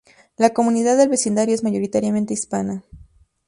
La comunidad del vecindario es mayoritariamente hispana.